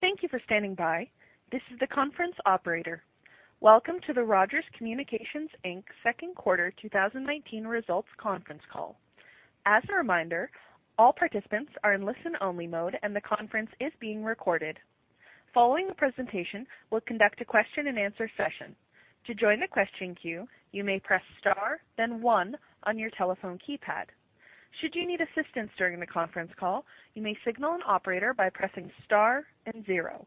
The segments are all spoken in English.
Thank you for standing by. This is the conference operator. Welcome to the Rogers Communications Inc. Second Quarter 2019 Results Conference Call. As a reminder, all participants are in listen-only mode, and the conference is being recorded. Following the presentation, we'll conduct a question-and-answer session. To join the question queue, you may press star, then one, on your telephone keypad. Should you need assistance during the conference call, you may signal an operator by pressing star and zero.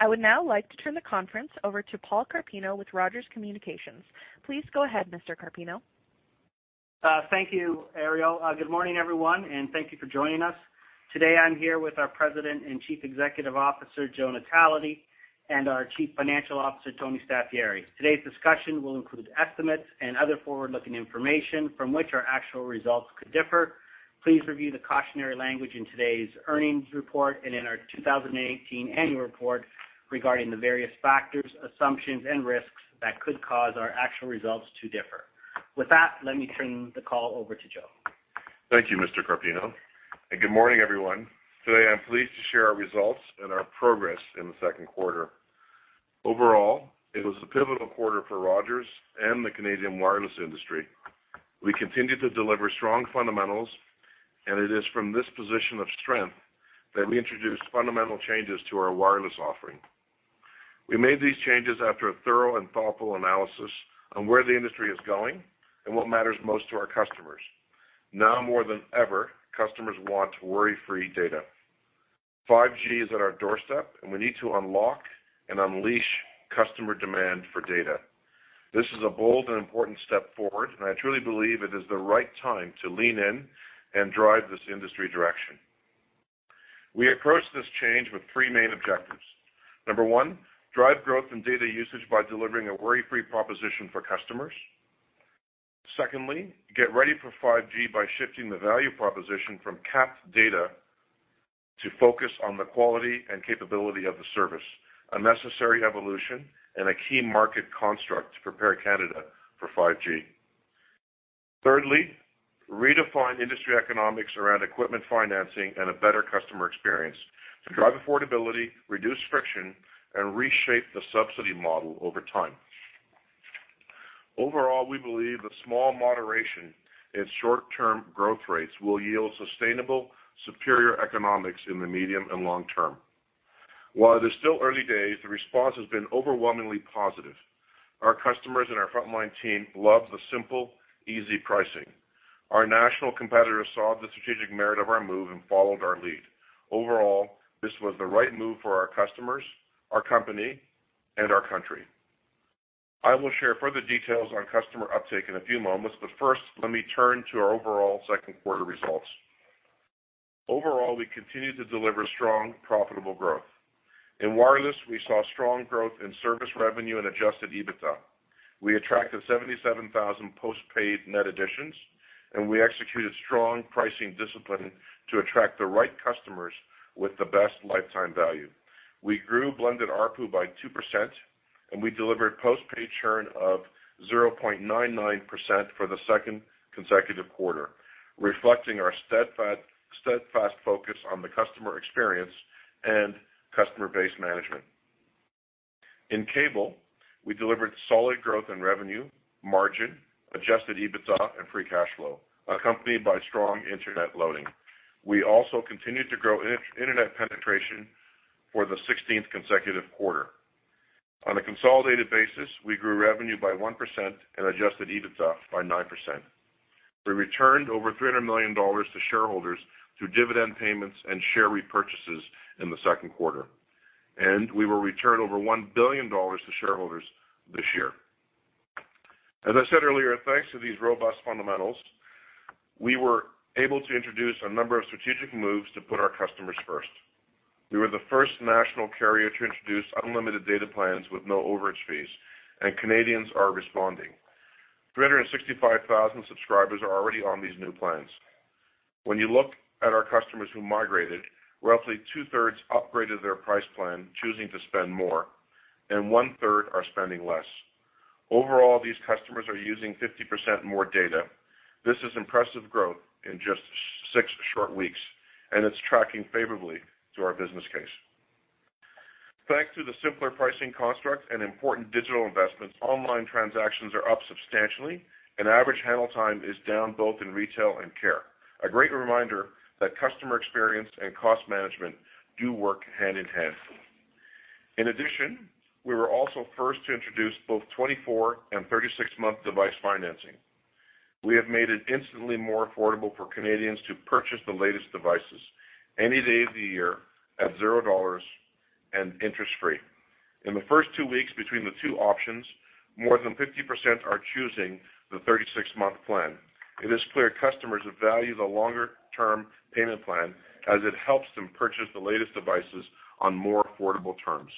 I would now like to turn the conference over to Paul Carpino with Rogers Communications. Please go ahead, Mr. Carpino. Thank you, Ariel. Good morning, everyone, and thank you for joining us. Today, I'm here with our President and Chief Executive Officer, Joe Natale, and our Chief Financial Officer, Tony Staffieri. Today's discussion will include estimates and other forward-looking information from which our actual results could differ. Please review the cautionary language in today's earnings report and in our 2018 annual report regarding the various factors, assumptions, and risks that could cause our actual results to differ. With that, let me turn the call over to Joe. Thank you, Mr. Carpino, and good morning, everyone. Today, I'm pleased to share our results and our progress in the second quarter. Overall, it was a pivotal quarter for Rogers and the Canadian wireless industry. We continued to deliver strong fundamentals, and it is from this position of strength that we introduced fundamental changes to our wireless offering. We made these changes after a thorough and thoughtful analysis on where the industry is going and what matters most to our customers. Now more than ever, customers want worry-free data. 5G is at our doorstep, and we need to unlock and unleash customer demand for data. This is a bold and important step forward, and I truly believe it is the right time to lean in and drive this industry direction. We approached this change with three main objectives. Number one, drive growth in data usage by delivering a worry-free proposition for customers. Secondly, get ready for 5G by shifting the value proposition from capped data to focus on the quality and capability of the service, a necessary evolution and a key market construct to prepare Canada for 5G. Thirdly, redefine industry economics around equipment financing and a better customer experience to drive affordability, reduce friction, and reshape the subsidy model over time. Overall, we believe that small moderation in short-term growth rates will yield sustainable, superior economics in the medium and long term. While it is still early days, the response has been overwhelmingly positive. Our customers and our frontline team love the simple, easy pricing. Our national competitors saw the strategic merit of our move and followed our lead. Overall, this was the right move for our customers, our company, and our country. I will share further details on customer uptake in a few moments, but first, let me turn to our overall second quarter results. Overall, we continued to deliver strong, profitable growth. In wireless, we saw strong growth in service revenue and adjusted EBITDA. We attracted 77,000 postpaid net additions, and we executed strong pricing discipline to attract the right customers with the best lifetime value. We grew blended ARPU by 2%, and we delivered postpaid churn of 0.99% for the second consecutive quarter, reflecting our steadfast focus on the customer experience and customer base management. In cable, we delivered solid growth in revenue, margin, adjusted EBITDA, and free cash flow, accompanied by strong internet loading. We also continued to grow internet penetration for the 16th consecutive quarter. On a consolidated basis, we grew revenue by 1% and adjusted EBITDA by 9%. We returned over 300 million dollars to shareholders through dividend payments and share repurchases in the second quarter, and we will return over 1 billion dollars to shareholders this year. As I said earlier, thanks to these robust fundamentals, we were able to introduce a number of strategic moves to put our customers first. We were the first national carrier to introduce unlimited data plans with no overage fees, and Canadians are responding. 365,000 subscribers are already on these new plans. When you look at our customers who migrated, roughly two-thirds upgraded their price plan, choosing to spend more, and one-third are spending less. Overall, these customers are using 50% more data. This is impressive growth in just six short weeks, and it's tracking favorably to our business case. Thanks to the simpler pricing construct and important digital investments, online transactions are up substantially, and average handle time is down both in retail and care. A great reminder that customer experience and cost management do work hand in hand. In addition, we were also first to introduce both 24- and 36-month device financing. We have made it instantly more affordable for Canadians to purchase the latest devices any day of the year at $0 and interest-free. In the first two weeks between the two options, more than 50% are choosing the 36-month plan. It is clear customers value the longer-term payment plan as it helps them purchase the latest devices on more affordable terms.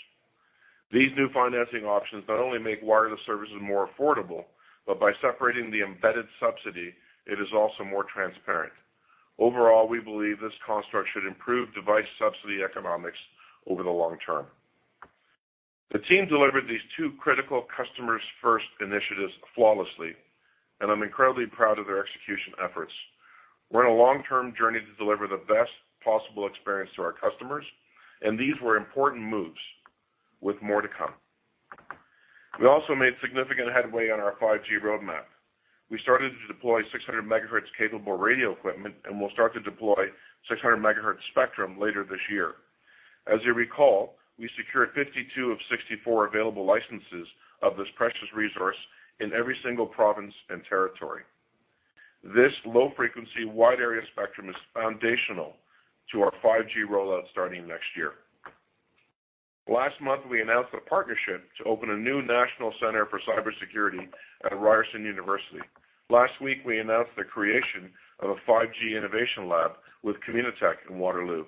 These new financing options not only make wireless services more affordable, but by separating the embedded subsidy, it is also more transparent. Overall, we believe this construct should improve device subsidy economics over the long term. The team delivered these two critical customers-first initiatives flawlessly, and I'm incredibly proud of their execution efforts. We're on a long-term journey to deliver the best possible experience to our customers, and these were important moves with more to come. We also made significant headway on our 5G roadmap. We started to deploy 600 megahertz capable radio equipment, and we'll start to deploy 600 megahertz spectrum later this year. As you recall, we secured 52 of 64 available licenses of this precious resource in every single province and territory. This low-frequency wide area spectrum is foundational to our 5G rollout starting next year. Last month, we announced a partnership to open a new national center for cybersecurity at Ryerson University. Last week, we announced the creation of a 5G innovation lab with Communitech in Waterloo.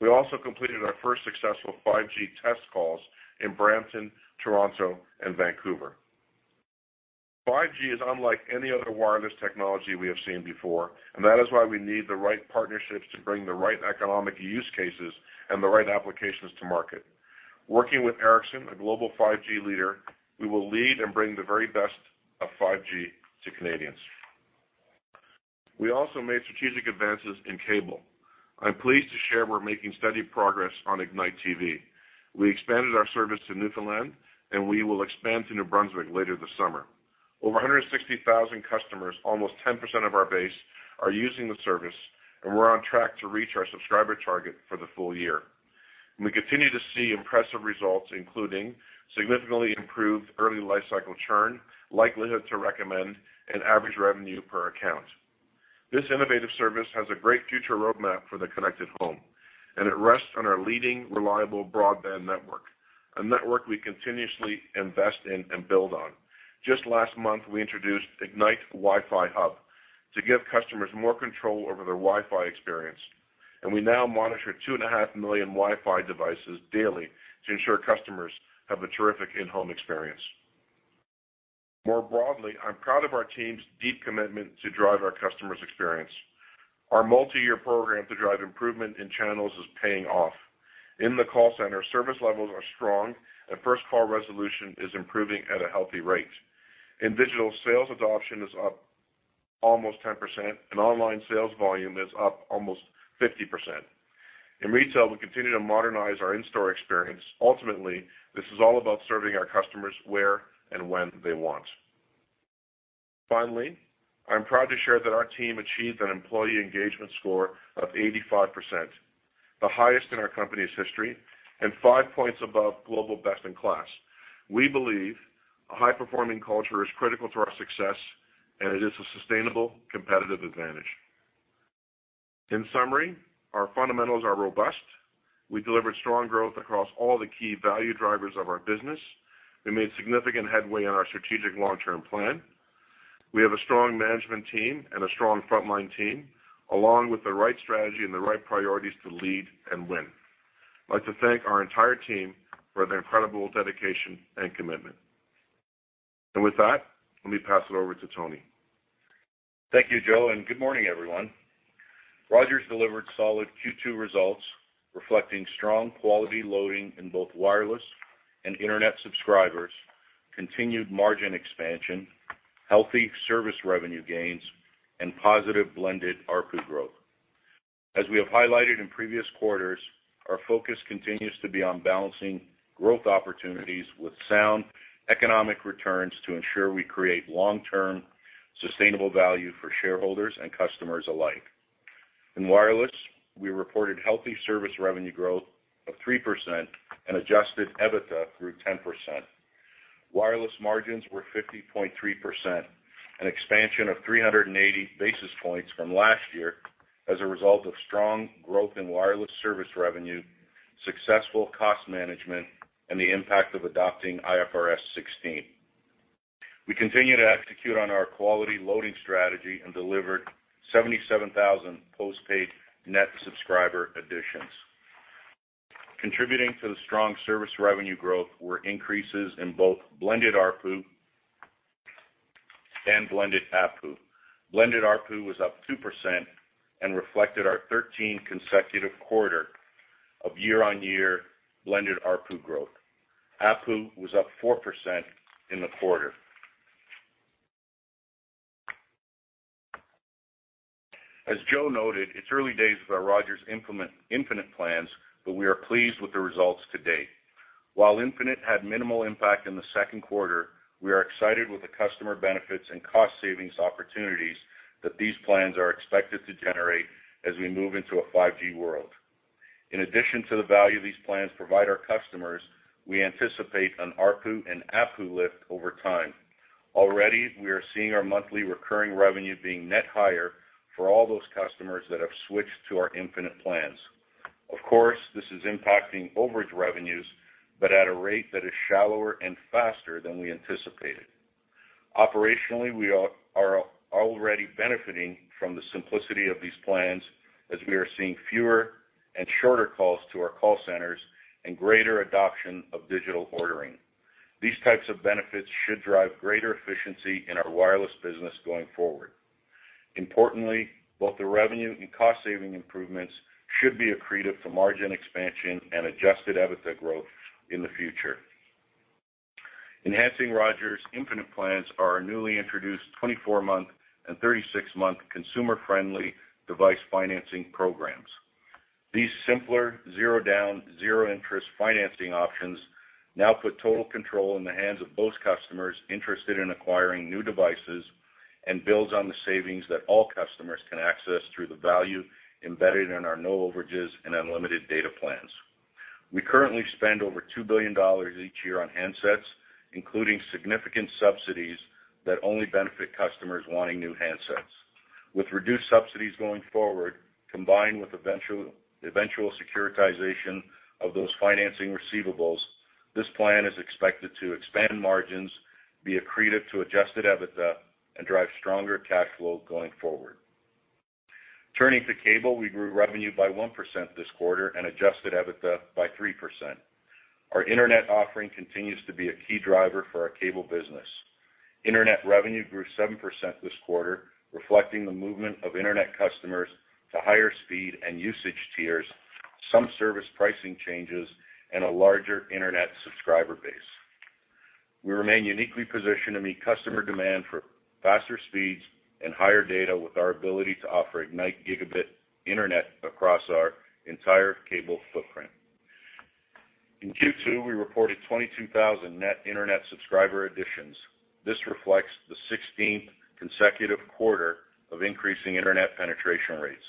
We also completed our first successful 5G test calls in Brampton, Toronto, and Vancouver. 5G is unlike any other wireless technology we have seen before, and that is why we need the right partnerships to bring the right economic use cases and the right applications to market. Working with Ericsson, a global 5G leader, we will lead and bring the very best of 5G to Canadians. We also made strategic advances in cable. I'm pleased to share we're making steady progress on Ignite TV. We expanded our service to Newfoundland, and we will expand to New Brunswick later this summer. Over 160,000 customers, almost 10% of our base, are using the service, and we're on track to reach our subscriber target for the full year. We continue to see impressive results, including significantly improved early life cycle churn, likelihood to recommend, and average revenue per account. This innovative service has a great future roadmap for the connected home, and it rests on our leading, reliable broadband network, a network we continuously invest in and build on. Just last month, we introduced Ignite WiFi Hub to give customers more control over their Wi-Fi experience, and we now monitor 2.5 million WiFi devices daily to ensure customers have a terrific in-home experience. More broadly, I'm proud of our team's deep commitment to drive our customers' experience. Our multi-year program to drive improvement in channels is paying off. In the call center, service levels are strong, and first call resolution is improving at a healthy rate. In digital, sales adoption is up almost 10%, and online sales volume is up almost 50%. In retail, we continue to modernize our in-store experience. Ultimately, this is all about serving our customers where and when they want. Finally, I'm proud to share that our team achieved an employee engagement score of 85%, the highest in our company's history and five points above global best in class. We believe a high-performing culture is critical to our success, and it is a sustainable competitive advantage. In summary, our fundamentals are robust. We delivered strong growth across all the key value drivers of our business. We made significant headway in our strategic long-term plan. We have a strong management team and a strong frontline team, along with the right strategy and the right priorities to lead and win. I'd like to thank our entire team for their incredible dedication and commitment. And with that, let me pass it over to Tony. Thank you, Joe, and good morning, everyone. Rogers delivered solid Q2 results reflecting strong quality loading in both wireless and internet subscribers, continued margin expansion, healthy service revenue gains, and positive blended ARPU growth. As we have highlighted in previous quarters, our focus continues to be on balancing growth opportunities with sound economic returns to ensure we create long-term sustainable value for shareholders and customers alike. In wireless, we reported healthy service revenue growth of 3% and Adjusted EBITDA through 10%. Wireless margins were 50.3%, an expansion of 380 basis points from last year as a result of strong growth in wireless service revenue, successful cost management, and the impact of adopting IFRS 16. We continue to execute on our quality loading strategy and delivered 77,000 postpaid net subscriber additions. Contributing to the strong service revenue growth were increases in both blended ARPU and blended ABPU. Blended ARPU was up 2% and reflected our 13 consecutive quarters of year-on-year blended ARPU growth. ABPU was up 4% in the quarter. As Joe Natale noted, it's early days with our Rogers Infinite plans, but we are pleased with the results to date. While Infinite had minimal impact in the second quarter, we are excited with the customer benefits and cost savings opportunities that these plans are expected to generate as we move into a 5G world. In addition to the value these plans provide our customers, we anticipate an ARPU and ABPU lift over time. Already, we are seeing our monthly recurring revenue being net higher for all those customers that have switched to our Infinite plans. Of course, this is impacting overage revenues, but at a rate that is shallower and faster than we anticipated. Operationally, we are already benefiting from the simplicity of these plans as we are seeing fewer and shorter calls to our call centers and greater adoption of digital ordering. These types of benefits should drive greater efficiency in our wireless business going forward. Importantly, both the revenue and cost saving improvements should be accretive to margin expansion and adjusted EBITDA growth in the future. Enhancing Rogers Infinite plans are our newly introduced 24-month and 36-month consumer-friendly device financing programs. These simpler zero-down, zero-interest financing options now put total control in the hands of both customers interested in acquiring new devices and builds on the savings that all customers can access through the value embedded in our no-overages and unlimited data plans. We currently spend over 2 billion dollars each year on handsets, including significant subsidies that only benefit customers wanting new handsets. With reduced subsidies going forward, combined with eventual securitization of those financing receivables, this plan is expected to expand margins, be accretive to Adjusted EBITDA, and drive stronger cash flow going forward. Turning to cable, we grew revenue by 1% this quarter and Adjusted EBITDA by 3%. Our internet offering continues to be a key driver for our cable business. Internet revenue grew 7% this quarter, reflecting the movement of internet customers to higher speed and usage tiers, some service pricing changes, and a larger internet subscriber base. We remain uniquely positioned to meet customer demand for faster speeds and higher data with our ability to offer Ignite Gigabit Internet across our entire cable footprint. In Q2, we reported 22,000 net internet subscriber additions. This reflects the 16th consecutive quarter of increasing internet penetration rates.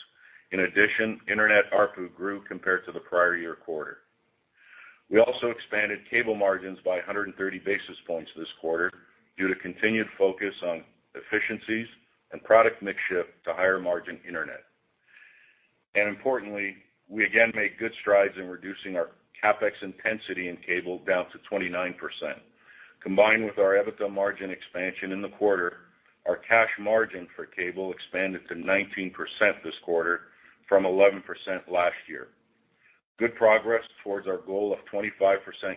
In addition, Internet ARPU grew compared to the prior year quarter. We also expanded cable margins by 130 basis points this quarter due to continued focus on efficiencies and product mixture to higher margin internet. And importantly, we again made good strides in reducing our CapEx intensity in cable down to 29%. Combined with our EBITDA margin expansion in the quarter, our cash margin for cable expanded to 19% this quarter from 11% last year. Good progress towards our goal of 25%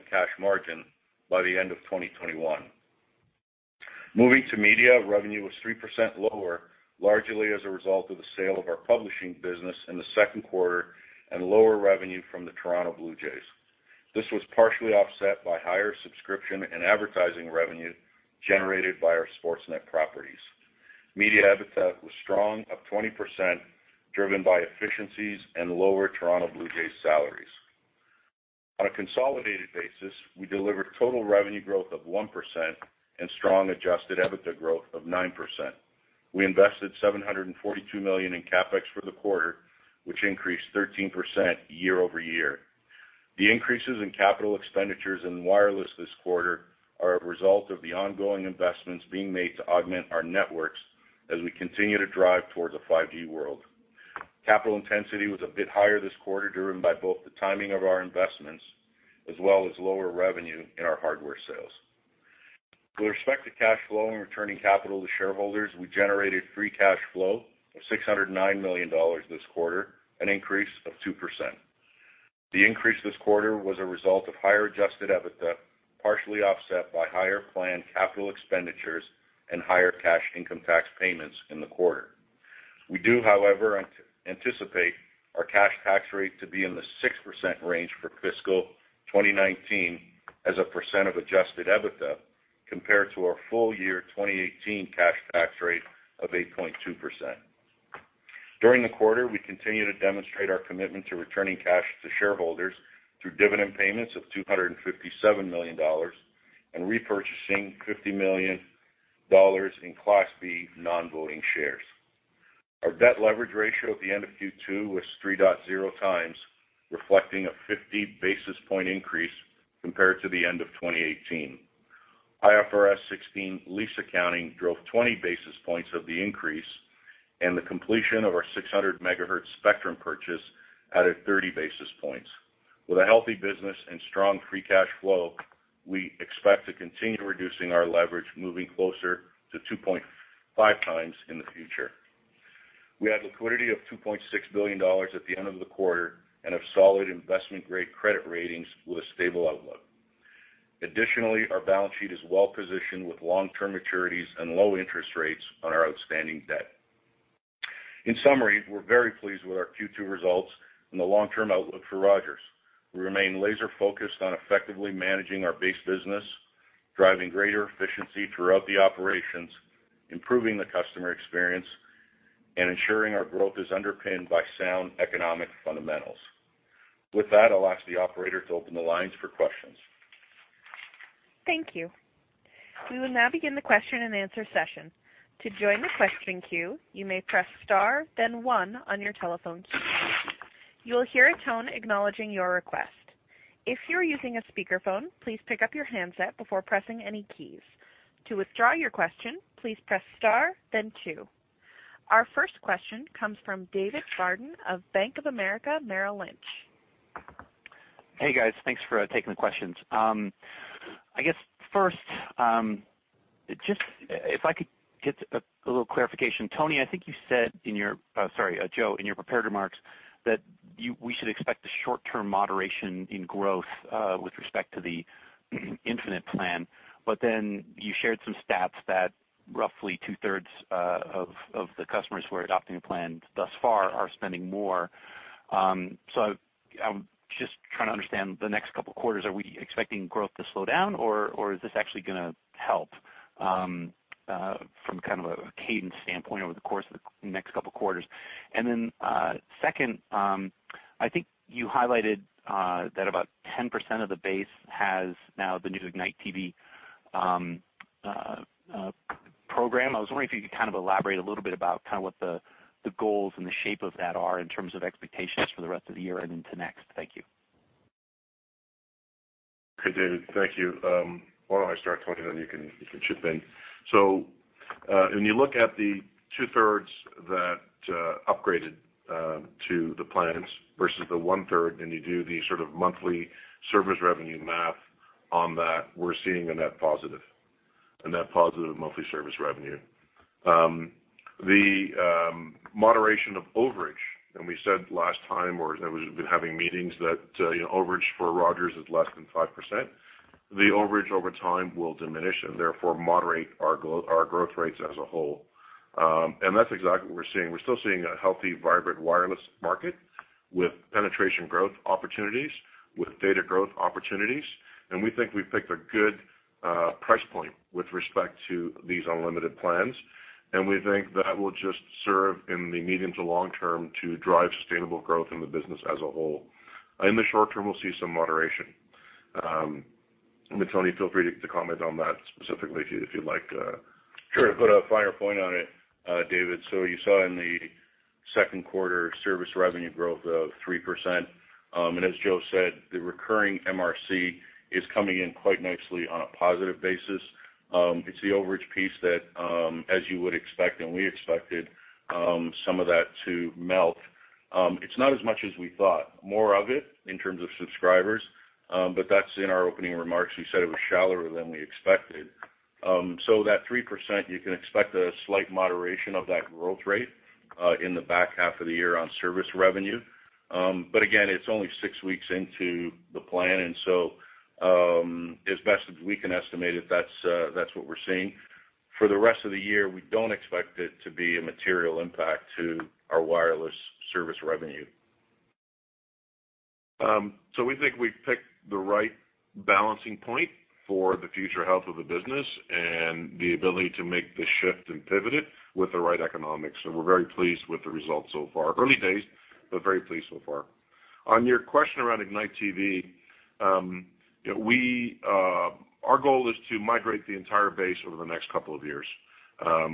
cash margin by the end of 2021. Moving to media, revenue was 3% lower, largely as a result of the sale of our publishing business in the second quarter and lower revenue from the Toronto Blue Jays. This was partially offset by higher subscription and advertising revenue generated by our Sportsnet properties. Media EBITDA was strong, up 20%, driven by efficiencies and lower Toronto Blue Jays salaries. On a consolidated basis, we delivered total revenue growth of 1% and strong Adjusted EBITDA growth of 9%. We invested $742 million in CapEx for the quarter, which increased 13% year over year. The increases in capital expenditures in wireless this quarter are a result of the ongoing investments being made to augment our networks as we continue to drive towards a 5G world. Capital intensity was a bit higher this quarter driven by both the timing of our investments as well as lower revenue in our hardware sales. With respect to cash flow and returning capital to shareholders, we generated Free Cash Flow of $609 million this quarter, an increase of 2%. The increase this quarter was a result of higher Adjusted EBITDA, partially offset by higher planned capital expenditures and higher cash income tax payments in the quarter. We do, however, anticipate our cash tax rate to be in the 6% range for fiscal 2019 as a percent of Adjusted EBITDA compared to our full year 2018 cash tax rate of 8.2%. During the quarter, we continue to demonstrate our commitment to returning cash to shareholders through dividend payments of 257 million dollars and repurchasing 50 million dollars in Class B Non-Voting Shares. Our debt leverage ratio at the end of Q2 was 3.0 times, reflecting a 50 basis point increase compared to the end of 2018. IFRS 16 lease accounting drove 20 basis points of the increase and the completion of our 600 megahertz spectrum purchase added 30 basis points. With a healthy business and strong Free Cash Flow, we expect to continue reducing our leverage, moving closer to 2.5 times in the future. We had liquidity of 2.6 billion dollars at the end of the quarter and have solid investment-grade credit ratings with a stable outlook. Additionally, our balance sheet is well positioned with long-term maturities and low interest rates on our outstanding debt. In summary, we're very pleased with our Q2 results and the long-term outlook for Rogers. We remain laser-focused on effectively managing our base business, driving greater efficiency throughout the operations, improving the customer experience, and ensuring our growth is underpinned by sound economic fundamentals. With that, I'll ask the operator to open the lines for questions. Thank you. We will now begin the question and answer session. To join the question queue, you may press star, then one on your telephone key. You will hear a tone acknowledging your request. If you're using a speakerphone, please pick up your handset before pressing any keys. To withdraw your question, please press star, then two. Our first question comes from David Barden of Bank of America Merrill Lynch. Hey, guys. Thanks for taking the questions. I guess first, just if I could get a little clarification. Tony, I think you said in your, sorry, Joe, in your prepared remarks that we should expect a short-term moderation in growth with respect to the Infinite plan. But then you shared some stats that roughly two-thirds of the customers who are adopting the plan thus far are spending more. So I'm just trying to understand the next couple of quarters. Are we expecting growth to slow down, or is this actually going to help from kind of a cadence standpoint over the course of the next couple of quarters? And then second, I think you highlighted that about 10% of the base has now the new Ignite TV program. I was wondering if you could kind of elaborate a little bit about kind of what the goals and the shape of that are in terms of expectations for the rest of the year and into next? Thank you. Hey, David. Thank you. Why don't I start, Tony, then you can chip in? So when you look at the two-thirds that upgraded to the plans versus the one-third, and you do the sort of monthly service revenue math on that, we're seeing a net positive, a net positive monthly service revenue. The moderation of overage, and we said last time or as we've been having meetings, that overage for Rogers is less than 5%. The overage over time will diminish and therefore moderate our growth rates as a whole. And that's exactly what we're seeing. We're still seeing a healthy, vibrant wireless market with penetration growth opportunities, with data growth opportunities. And we think we've picked a good price point with respect to these unlimited plans. And we think that will just serve in the medium to long term to drive sustainable growth in the business as a whole. In the short term, we'll see some moderation, and Tony, feel free to comment on that specifically if you'd like. Sure. I'll put a finer point on it, David. You saw in the second quarter service revenue growth of 3%. And as Joe said, the recurring MRC is coming in quite nicely on a positive basis. It's the overage piece that, as you would expect and we expected, some of that to melt. It's not as much as we thought, more of it in terms of subscribers. But that's in our opening remarks. We said it was shallower than we expected. That 3%, you can expect a slight moderation of that growth rate in the back half of the year on service revenue. But again, it's only six weeks into the plan. And so as best as we can estimate it, that's what we're seeing. For the rest of the year, we don't expect it to be a material impact to our wireless service revenue. So we think we've picked the right balancing point for the future health of the business and the ability to make the shift and pivot it with the right economics. And we're very pleased with the results so far. Early days, but very pleased so far. On your question around Ignite TV, our goal is to migrate the entire base over the next couple of years.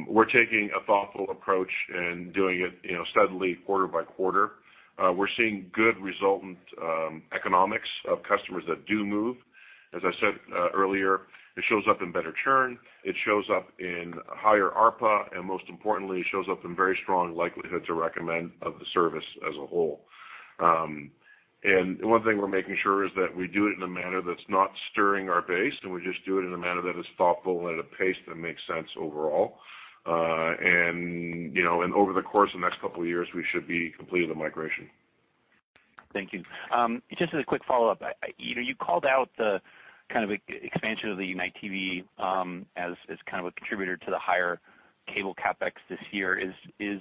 We're taking a thoughtful approach and doing it steadily quarter by quarter. We're seeing good resultant economics of customers that do move. As I said earlier, it shows up in better churn. It shows up in higher ARPA. And most importantly, it shows up in very strong likelihood to recommend of the service as a whole. One thing we're making sure is that we do it in a manner that's not stirring our base, and we just do it in a manner that is thoughtful and at a pace that makes sense overall. Over the course of the next couple of years, we should be completing the migration. Thank you. Just as a quick follow-up, you called out the kind of expansion of the Ignite TV as kind of a contributor to the higher cable CapEx this year. Is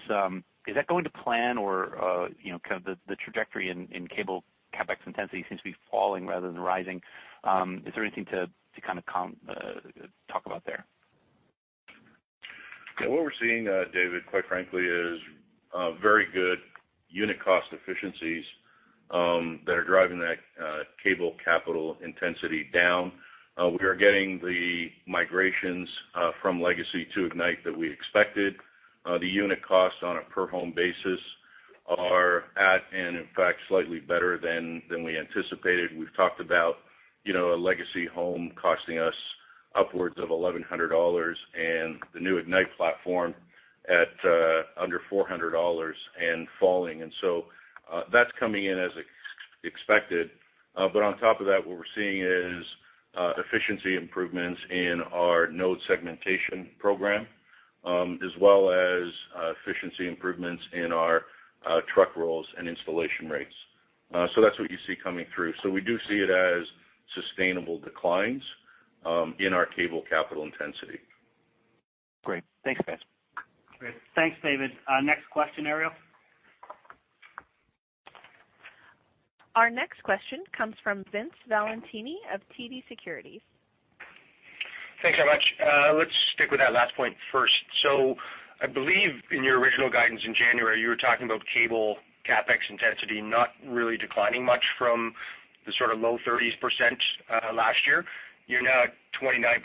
that going to plan, or kind of the trajectory in cable CapEx intensity seems to be falling rather than rising? Is there anything to kind of talk about there? Yeah. What we're seeing, David, quite frankly, is very good unit cost efficiencies that are driving that cable capital intensity down. We are getting the migrations from legacy to Ignite that we expected. The unit costs on a per-home basis are at and, in fact, slightly better than we anticipated. We've talked about a legacy home costing us upwards of 1,100 dollars and the new Ignite platform at under 400 dollars and falling. And so that's coming in as expected. But on top of that, what we're seeing is efficiency improvements in our node segmentation program as well as efficiency improvements in our truck rolls and installation rates. So that's what you see coming through. So we do see it as sustainable declines in our cable capital intensity. Great. Thanks, guys. Great. Thanks, David. Next question, Ariel. Our next question comes from Vince Valentini of TD Securities. Thanks so much. Let's stick with that last point first. So I believe in your original guidance in January, you were talking about cable CapEx intensity not really declining much from the sort of low 30% last year. You're now at 29%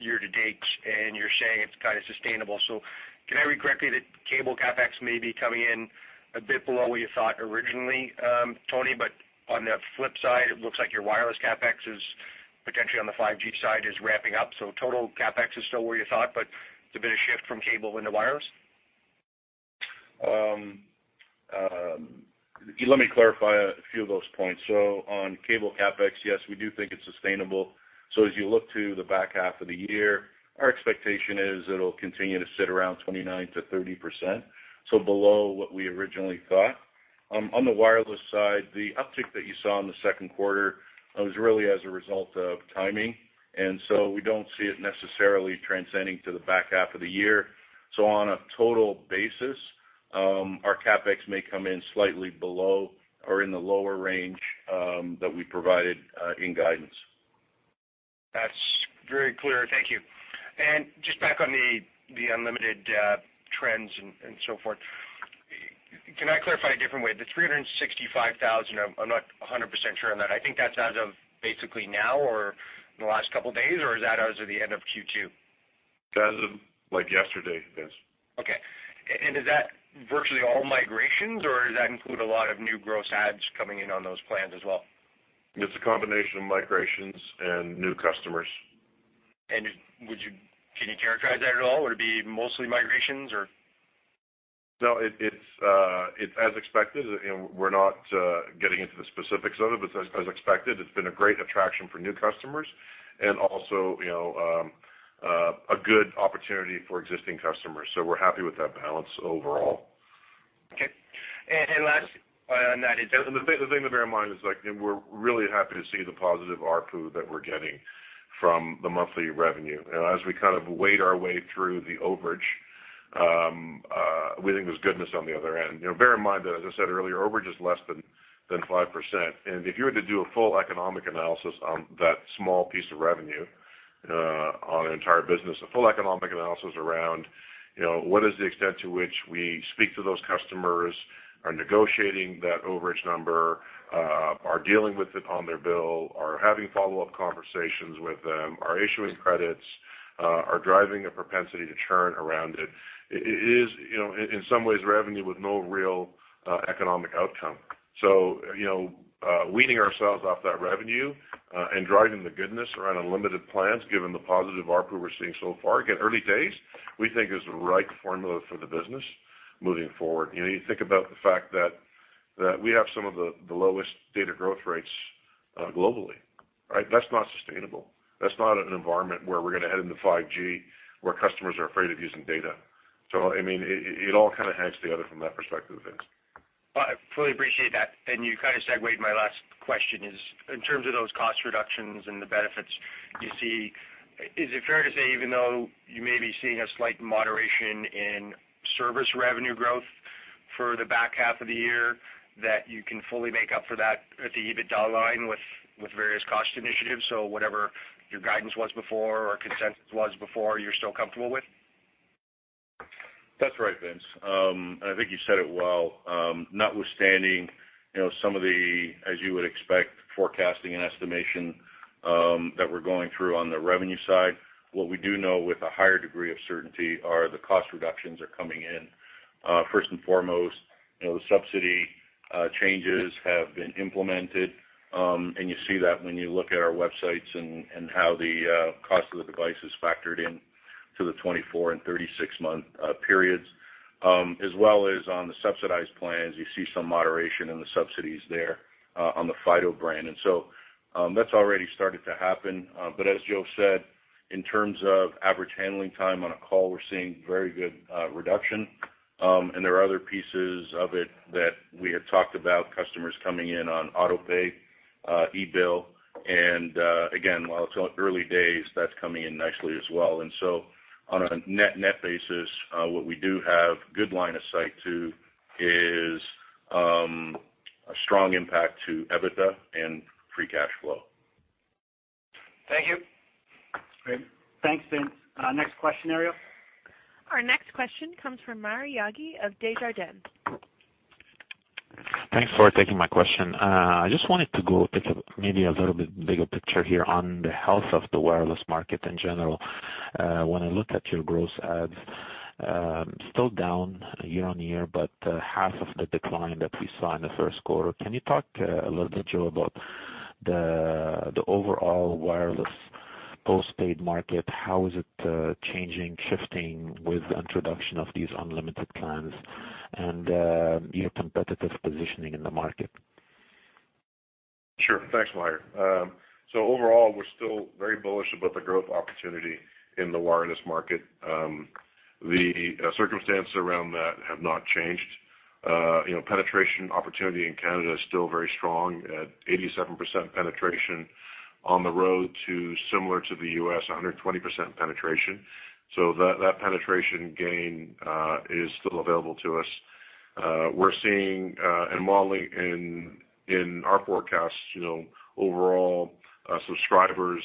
year to date, and you're saying it's kind of sustainable. So can I read correctly that cable CapEx may be coming in a bit below what you thought originally, Tony? But on the flip side, it looks like your wireless CapEx is potentially on the 5G side is ramping up. So total CapEx is still where you thought, but it's a bit of shift from cable into wireless? Let me clarify a few of those points. So on cable CapEx, yes, we do think it's sustainable. So as you look to the back half of the year, our expectation is it'll continue to sit around 29%-30%, so below what we originally thought. On the wireless side, the uptick that you saw in the second quarter was really as a result of timing. And so we don't see it necessarily extending to the back half of the year. So on a total basis, our CapEx may come in slightly below or in the lower range that we provided in guidance. That's very clear. Thank you. And just back on the unlimited trends and so forth, can I clarify a different way? The 365,000, I'm not 100% sure on that. I think that's as of basically now or in the last couple of days, or is that as of the end of Q2? That's as of yesterday, yes. Okay. And is that virtually all migrations, or does that include a lot of new gross adds coming in on those plans as well? It's a combination of migrations and new customers. Can you characterize that at all? Would it be mostly migrations, or? No, it's as expected. We're not getting into the specifics of it, but as expected, it's been a great attraction for new customers and also a good opportunity for existing customers. So we're happy with that balance overall. Okay, and last on that. The thing to bear in mind is we're really happy to see the positive ARPU that we're getting from the monthly revenue. As we kind of wade our way through the overage, we think there's goodness on the other end. Bear in mind that, as I said earlier, overage is less than 5%. If you were to do a full economic analysis on that small piece of revenue on an entire business, a full economic analysis around what is the extent to which we speak to those customers, are negotiating that overage number, are dealing with it on their bill, are having follow-up conversations with them, are issuing credits, are driving a propensity to churn around it, it is in some ways revenue with no real economic outcome. So weaning ourselves off that revenue and driving the goodness around unlimited plans, given the positive ARPU we're seeing so far, again, early days, we think is the right formula for the business moving forward. You think about the fact that we have some of the lowest data growth rates globally, right? That's not sustainable. That's not an environment where we're going to head into 5G where customers are afraid of using data. So I mean, it all kind of hangs together from that perspective, Vince. I fully appreciate that. And you kind of segued my last question is in terms of those cost reductions and the benefits you see, is it fair to say even though you may be seeing a slight moderation in service revenue growth for the back half of the year that you can fully make up for that at the EBITDA line with various cost initiatives? So whatever your guidance was before or consensus was before, you're still comfortable with? That's right, Vince. And I think you said it well. Notwithstanding some of the, as you would expect, forecasting and estimation that we're going through on the revenue side, what we do know with a higher degree of certainty are the cost reductions are coming in. First and foremost, the subsidy changes have been implemented. And you see that when you look at our websites and how the cost of the device is factored into the 24- and 36-month periods. As well as on the subsidized plans, you see some moderation in the subsidies there on the Fido brand. And so that's already started to happen. But as Joe said, in terms of average handling time on a call, we're seeing very good reduction. And there are other pieces of it that we had talked about, customers coming in on autopay, eBill. And again, while it's early days, that's coming in nicely as well. And so on a net-net basis, what we do have good line of sight to is a strong impact to EBITDA and Free Cash Flow. Thank you. Thanks, Vince. Next question, Ariel. Our next question comes from Maher Yaghi of Desjardins. Thanks for taking my question. I just wanted to go take maybe a little bit bigger picture here on the health of the wireless market in general. When I look at your gross adds, still down year on year, but half of the decline that we saw in the first quarter. Can you talk a little bit, Joe, about the overall wireless postpaid market? How is it changing, shifting with the introduction of these unlimited plans and your competitive positioning in the market? Sure. Thanks, Maher. So overall, we're still very bullish about the growth opportunity in the wireless market. The circumstances around that have not changed. Penetration opportunity in Canada is still very strong at 87% penetration on the road to similar to the U.S., 120% penetration. So that penetration gain is still available to us. We're seeing and modeling in our forecasts overall subscribers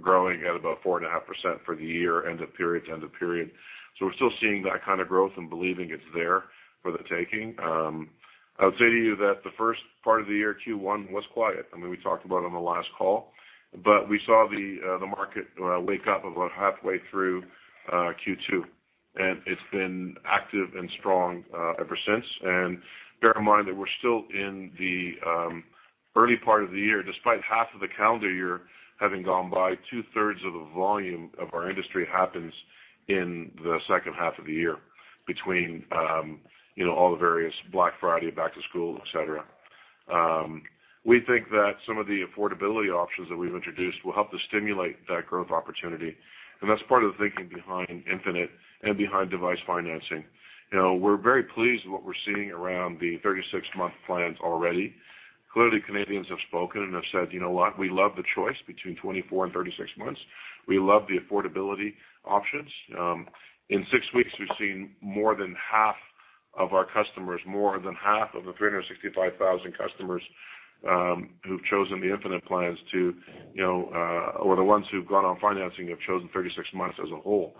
growing at about 4.5% for the year end of period to end of period. So we're still seeing that kind of growth and believing it's there for the taking. I would say to you that the first part of the year, Q1, was quiet. I mean, we talked about it on the last call. But we saw the market wake up about halfway through Q2. And it's been active and strong ever since. And bear in mind that we're still in the early part of the year, despite half of the calendar year having gone by. Two-thirds of the volume of our industry happens in the second half of the year between all the various Black Friday, back to school, etc. We think that some of the affordability options that we've introduced will help to stimulate that growth opportunity. And that's part of the thinking behind Infinite and behind device financing. We're very pleased with what we're seeing around the 36-month plans already. Clearly, Canadians have spoken and have said, "You know what? We love the choice between 24 and 36 months. We love the affordability options." In six weeks, we've seen more than half of our customers, more than half of the 365,000 customers who've chosen the Infinite plans to or the ones who've gone on financing have chosen 36 months as a whole,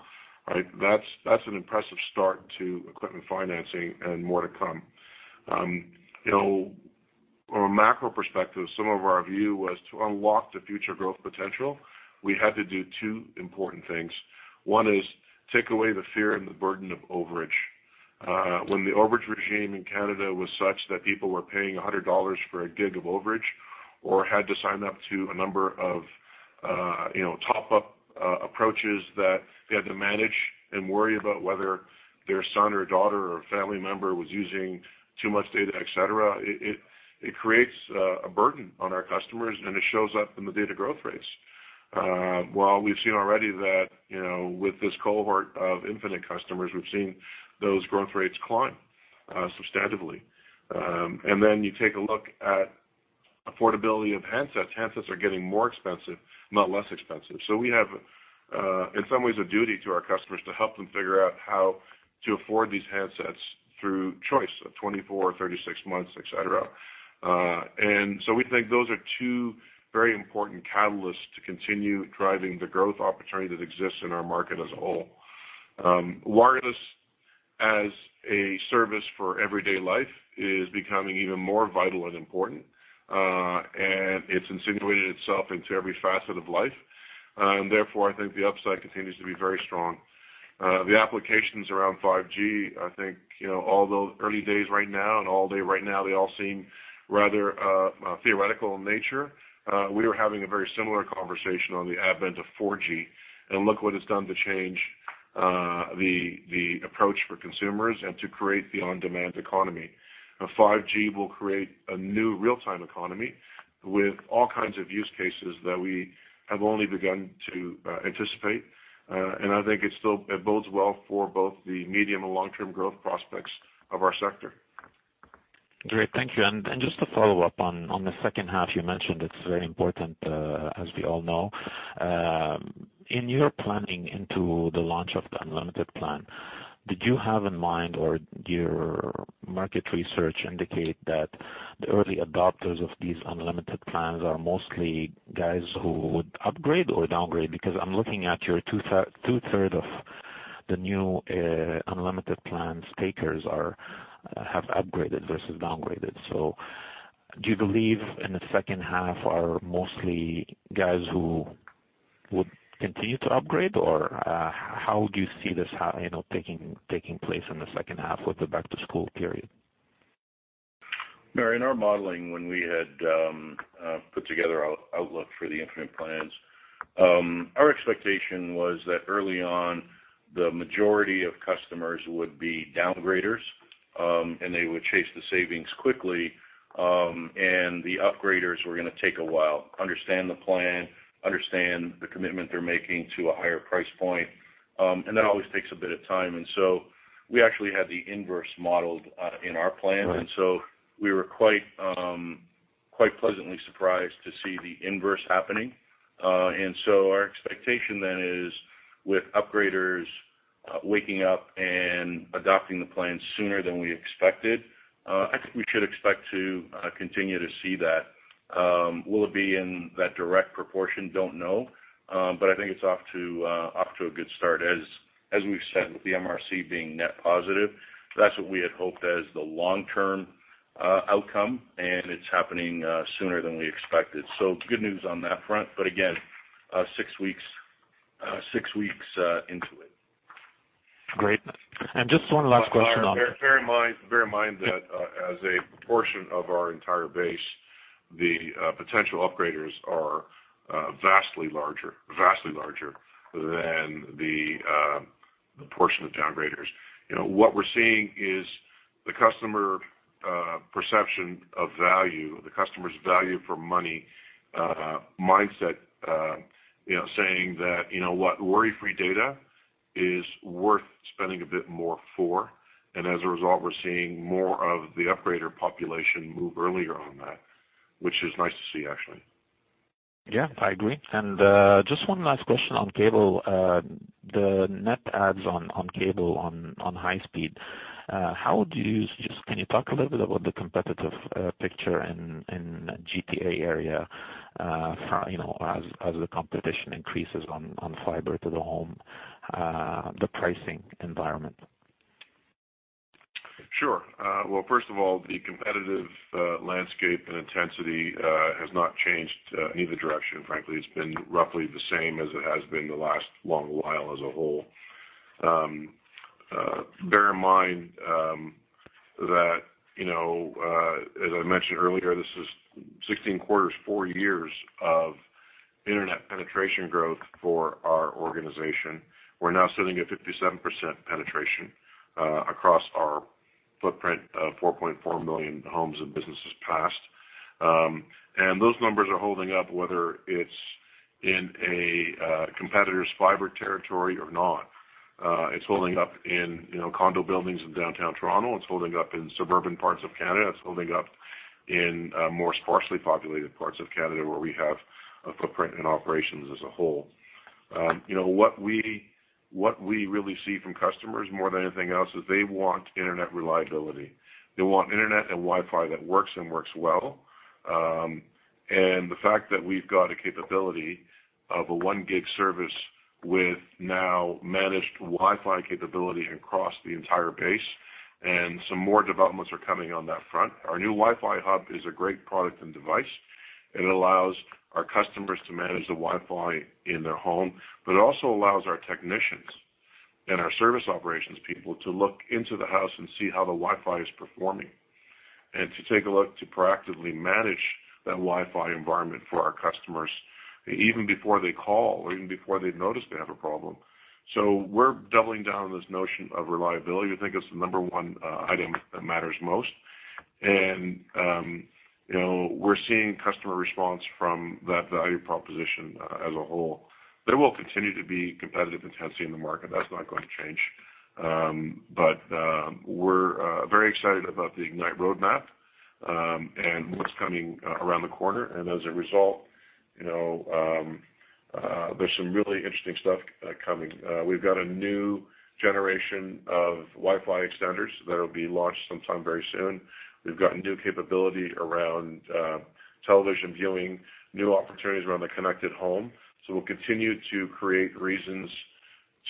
right? That's an impressive start to equipment financing and more to come. From a macro perspective, some of our view was to unlock the future growth potential. We had to do two important things. One is take away the fear and the burden of overage. When the overage regime in Canada was such that people were paying 100 dollars for a gig of overage or had to sign up to a number of top-up approaches that they had to manage and worry about whether their son or daughter or family member was using too much data, etc., it creates a burden on our customers, and it shows up in the data growth rates. Well, we've seen already that with this cohort of Infinite customers, we've seen those growth rates climb substantively, and then you take a look at affordability of handsets. Handsets are getting more expensive, not less expensive. So we have, in some ways, a duty to our customers to help them figure out how to afford these handsets through choice of 24 or 36 months, etc. And so we think those are two very important catalysts to continue driving the growth opportunity that exists in our market as a whole. Wireless as a service for everyday life is becoming even more vital and important, and it's insinuated itself into every facet of life. Therefore, I think the upside continues to be very strong. The applications around 5G, I think all those early days right now and all day right now, they all seem rather theoretical in nature. We were having a very similar conversation on the advent of 4G and look what it's done to change the approach for consumers and to create the on-demand economy. 5G will create a new real-time economy with all kinds of use cases that we have only begun to anticipate. And I think it still bodes well for both the medium- and long-term growth prospects of our sector. Great. Thank you. And just to follow up on the second half you mentioned, it's very important as we all know. In your planning into the launch of the unlimited plan, did you have in mind or did your market research indicate that the early adopters of these unlimited plans are mostly guys who would upgrade or downgrade? Because I'm looking at your two-thirds of the new unlimited plans takers have upgraded versus downgraded. So do you believe in the second half are mostly guys who would continue to upgrade, or how do you see this taking place in the second half with the back-to-school period? In our modeling, when we had put together our outlook for the Infinite plans, our expectation was that early on, the majority of customers would be down graders, and they would chase the savings quickly, and the upgraders were going to take a while, understand the plan, understand the commitment they're making to a higher price point, and that always takes a bit of time, and so we actually had the inverse modeled in our plans, and so we were quite pleasantly surprised to see the inverse happening, and so our expectation then is with upgraders waking up and adopting the plans sooner than we expected, I think we should expect to continue to see that. Will it be in that direct proportion? Don't know, but I think it's off to a good start. As we've said, with the MRC being net positive, that's what we had hoped as the long-term outcome, and it's happening sooner than we expected. So good news on that front. But again, six weeks into it. Great. And just one last question. Bear in mind that as a portion of our entire base, the potential upgraders are vastly larger than the portion of down graders. What we're seeing is the customer perception of value, the customer's value for money mindset saying that, "You know what? Worry-free data is worth spending a bit more for." And as a result, we're seeing more of the upgrader population move earlier on that, which is nice to see, actually. Yeah, I agree. And just one last question on cable. The net adds on cable on high speed, how would you just can you talk a little bit about the competitive picture in the GTA area as the competition increases on fiber to the home, the pricing environment? Sure. Well, first of all, the competitive landscape and intensity has not changed in either direction. Frankly, it's been roughly the same as it has been the last long while as a whole. Bear in mind that, as I mentioned earlier, this is 16 quarters, four years of internet penetration growth for our organization. We're now sitting at 57% penetration across our footprint of 4.4 million homes and businesses passed. And those numbers are holding up whether it's in a competitor's fiber territory or not. It's holding up in condo buildings in downtown Toronto. It's holding up in suburban parts of Canada. It's holding up in more sparsely populated parts of Canada where we have a footprint and operations as a whole. What we really see from customers more than anything else is they want internet reliability. They want internet and Wi-Fi that works and works well. And the fact that we've got a capability of a one-gig service with now managed Wi-Fi capability across the entire base, and some more developments are coming on that front. Our new Wi-Fi hub is a great product and device. It allows our customers to manage the Wi-Fi in their home, but it also allows our technicians and our service operations people to look into the house and see how the Wi-Fi is performing and to take a look to proactively manage that Wi-Fi environment for our customers even before they call or even before they've noticed they have a problem. So we're doubling down on this notion of reliability. I think it's the number one item that matters most. And we're seeing customer response from that value proposition as a whole. There will continue to be competitive intensity in the market. That's not going to change. But we're very excited about the Ignite roadmap and what's coming around the corner. And as a result, there's some really interesting stuff coming. We've got a new generation of Wi-Fi extenders that will be launched sometime very soon. We've got new capability around television viewing, new opportunities around the connected home. So we'll continue to create reasons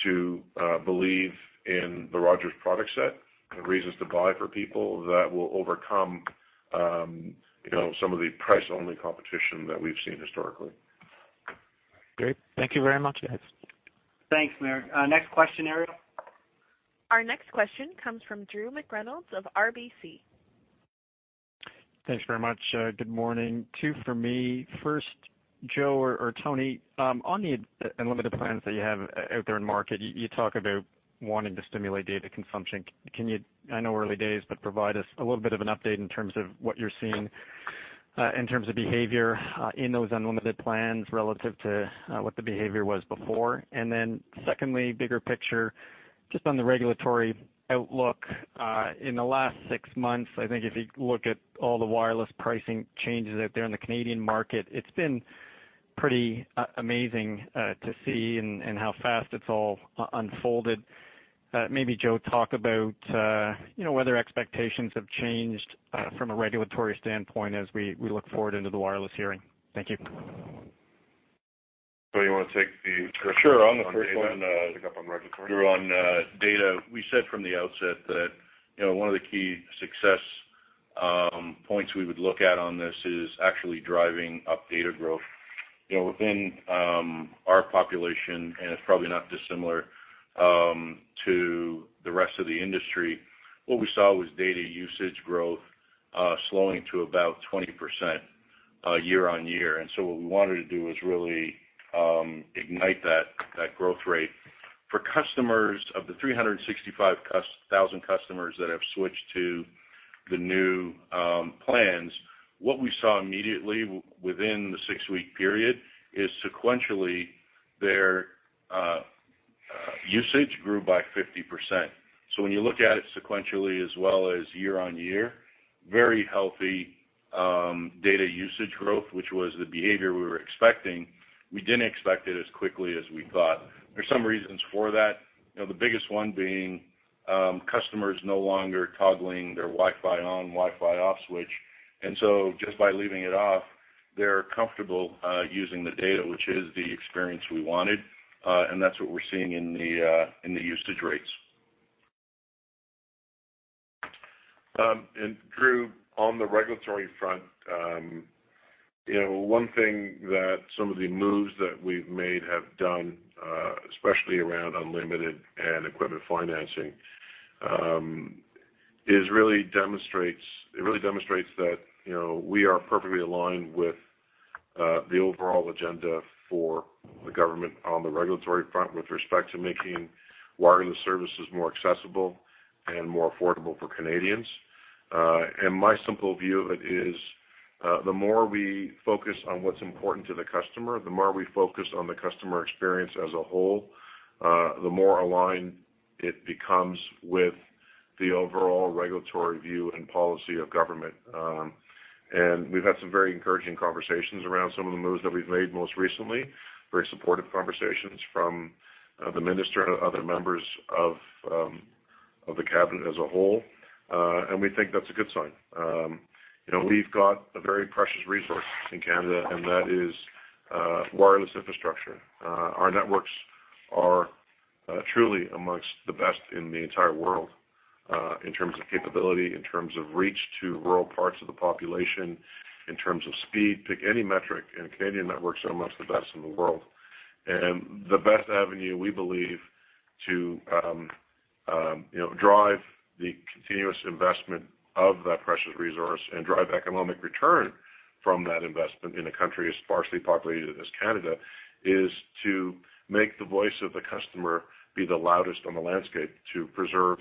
to believe in the Rogers product set and reasons to buy for people that will overcome some of the price-only competition that we've seen historically. Great. Thank you very much, guys. Thanks, Maher. Next question, Ariel? Our next question comes from Drew McReynolds of RBC. Thanks very much. Good morning. Two for me. First, Joe or Tony, on the unlimited plans that you have out there in market, you talk about wanting to stimulate data consumption. Can you, I know early days, but provide us a little bit of an update in terms of what you're seeing in terms of behavior in those unlimited plans relative to what the behavior was before? And then secondly, bigger picture, just on the regulatory outlook in the last six months, I think if you look at all the wireless pricing changes out there in the Canadian market, it's been pretty amazing to see and how fast it's all unfolded. Maybe Joe, talk about whether expectations have changed from a regulatory standpoint as we look forward into the wireless hearing. Thank you. So you want to take the first question? Sure. I'm the first one. You're on data. We said from the outset that one of the key success points we would look at on this is actually driving up data growth within our population, and it's probably not dissimilar to the rest of the industry. What we saw was data usage growth slowing to about 20% year on year. And so what we wanted to do was really ignite that growth rate. For customers of the 365,000 customers that have switched to the new plans, what we saw immediately within the six-week period is sequentially their usage grew by 50%. So when you look at it sequentially as well as year on year, very healthy data usage growth, which was the behavior we were expecting. We didn't expect it as quickly as we thought. There's some reasons for that. The biggest one being customers no longer toggling their Wi-Fi on, Wi-Fi off switch. And so just by leaving it off, they're comfortable using the data, which is the experience we wanted. And that's what we're seeing in the usage rates. And Drew, on the regulatory front, one thing that some of the moves that we've made have done, especially around unlimited and equipment financing, is really demonstrates that we are perfectly aligned with the overall agenda for the government on the regulatory front with respect to making wireless services more accessible and more affordable for Canadians. And my simple view of it is the more we focus on what's important to the customer, the more we focus on the customer experience as a whole, the more aligned it becomes with the overall regulatory view and policy of government. We've had some very encouraging conversations around some of the moves that we've made most recently, very supportive conversations from the minister and other members of the cabinet as a whole. We think that's a good sign. We've got a very precious resource in Canada, and that is wireless infrastructure. Our networks are truly among the best in the entire world in terms of capability, in terms of reach to rural parts of the population, in terms of speed. Pick any metric, and Canadian networks are among the best in the world. And the best avenue, we believe, to drive the continuous investment of that precious resource and drive economic return from that investment in a country as sparsely populated as Canada is to make the voice of the customer be the loudest on the landscape to preserve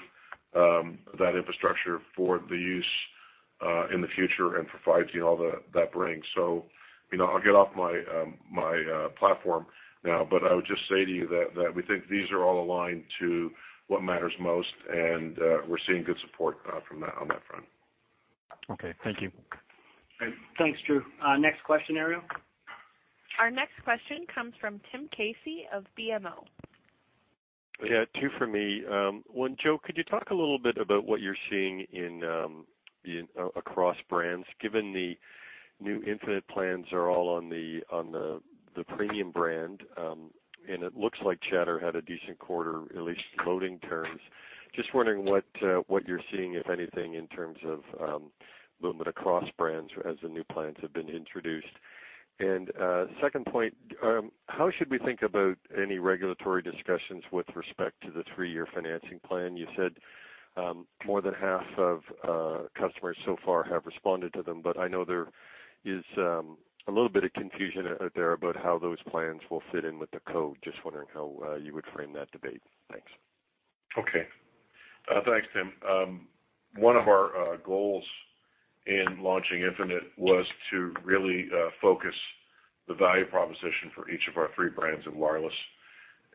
that infrastructure for the use in the future and for 5G and all that that brings. So I'll get off my platform now, but I would just say to you that we think these are all aligned to what matters most, and we're seeing good support from that on that front. Okay. Thank you. Thanks, Drew. Next question, Ariel? Our next question comes from Tim Casey of BMO. Yeah, two for me. One, Joe, could you talk a little bit about what you're seeing across brands? Given the new Infinite plans are all on the premium brand, and it looks like Chatr had a decent quarter, at least loading terms. Just wondering what you're seeing, if anything, in terms of movement across brands as the new plans have been introduced. And second point, how should we think about any regulatory discussions with respect to the three-year financing plan? You said more than half of customers so far have responded to them, but I know there is a little bit of confusion out there about how those plans will fit in with the code. Just wondering how you would frame that debate. Thanks. Okay. Thanks, Tim. One of our goals in launching Infinite was to really focus the value proposition for each of our three brands of wireless.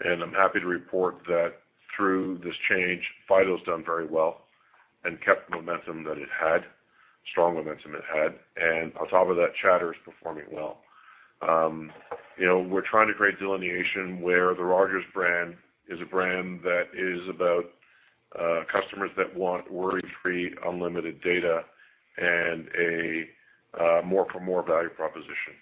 And I'm happy to report that through this change, Fido has done very well and kept the momentum that it had, strong momentum it had. And on top of that, Chatr is performing well. We're trying to create delineation where the Rogers brand is a brand that is about customers that want worry-free unlimited data and a more-for-more value proposition.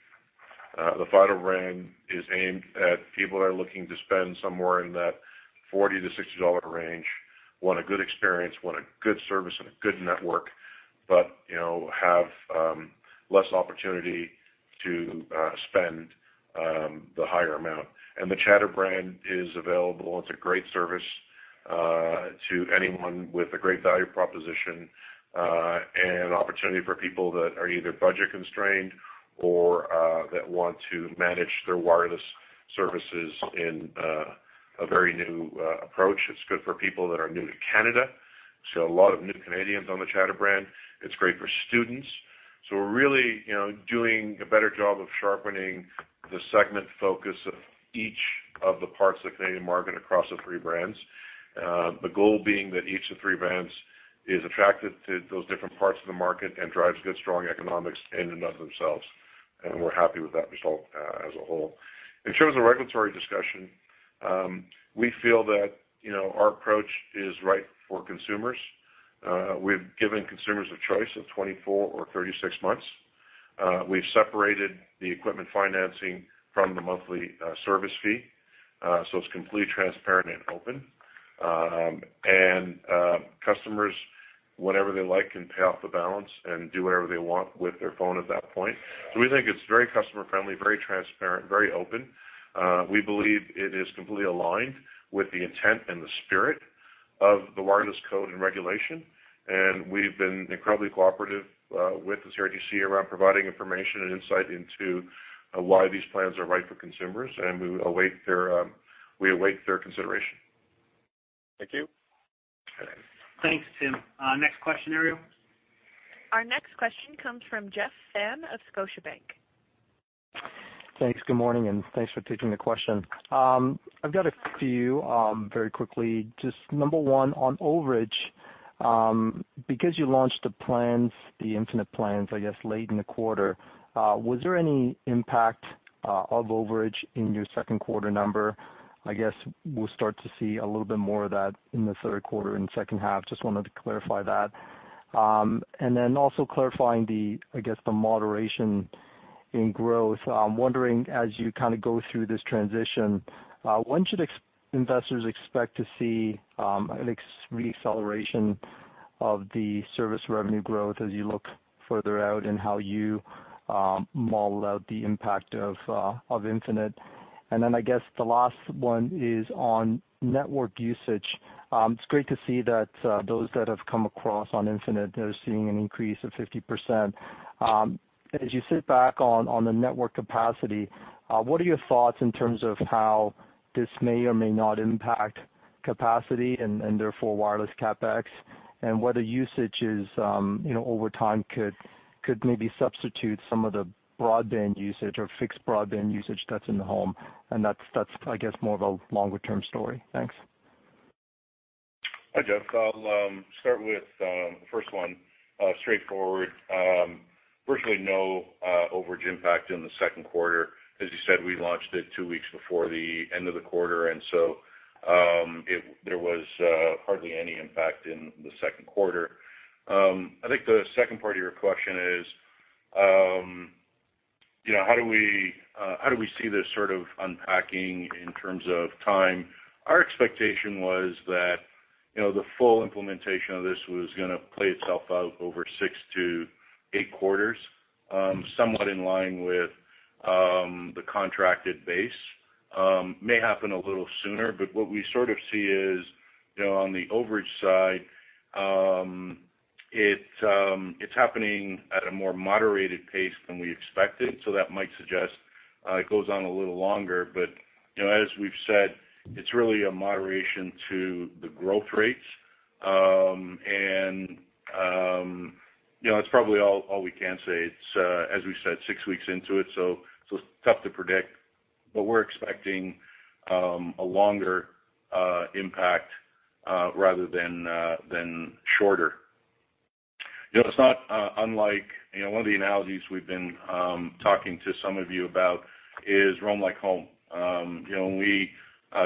The Fido brand is aimed at people that are looking to spend somewhere in that 40-60 dollar range, want a good experience, want a good service, and a good network, but have less opportunity to spend the higher amount. And the Chatr brand is available. It's a great service to anyone with a great value proposition and opportunity for people that are either budget constrained or that want to manage their wireless services in a very new approach. It's good for people that are new to Canada. We've got a lot of new Canadians on the Chatr brand. It's great for students. So we're really doing a better job of sharpening the segment focus of each of the parts of the Canadian market across the three brands, the goal being that each of the three brands is attractive to those different parts of the market and drives good, strong economics in and of themselves. And we're happy with that result as a whole. In terms of regulatory discussion, we feel that our approach is right for consumers. We've given consumers a choice of 24 or 36 months. We've separated the equipment financing from the monthly service fee. So it's completely transparent and open. And customers, whenever they like, can pay off the balance and do whatever they want with their phone at that point. So we think it's very customer-friendly, very transparent, very open. We believe it is completely aligned with the intent and the spirit of the Wireless Code and regulation. And we've been incredibly cooperative with the CRTC around providing information and insight into why these plans are right for consumers. And we await their consideration. Thank you. Thanks, Tim. Next question, Ariel? Our next question comes from Jeff Fan of Scotiabank. Thanks. Good morning, and thanks for taking the question. I've got a few very quickly. Just number one, on overage, because you launched the plans, the Infinite plans, I guess, late in the quarter, was there any impact of overage in your second quarter number? I guess we'll start to see a little bit more of that in the third quarter and second half. Just wanted to clarify that, and then also clarifying, I guess, the moderation in growth. I'm wondering, as you kind of go through this transition, when should investors expect to see an acceleration of the service revenue growth as you look further out and how you model out the impact of Infinite? And then I guess the last one is on network usage. It's great to see that those that have come across on Infinite, they're seeing an increase of 50%. As you sit back on the network capacity, what are your thoughts in terms of how this may or may not impact capacity and therefore wireless CapEx and whether usage over time could maybe substitute some of the broadband usage or fixed broadband usage that's in the home, and that's, I guess, more of a longer-term story. Thanks. Hi, Jeff. I'll start with the first one. Straightforward. Virtually no overage impact in the second quarter. As you said, we launched it two weeks before the end of the quarter, and so there was hardly any impact in the second quarter. I think the second part of your question is, how do we see this sort of unpacking in terms of time? Our expectation was that the full implementation of this was going to play itself out over six to eight quarters, somewhat in line with the contracted base. May happen a little sooner, but what we sort of see is on the overage side, it's happening at a more moderated pace than we expected. So that might suggest it goes on a little longer. But as we've said, it's really a moderation to the growth rates. And that's probably all we can say. It's, as we said, six weeks into it, so it's tough to predict. But we're expecting a longer impact rather than shorter. It's not unlike one of the analogies we've been talking to some of you about is Roam Like Home. When we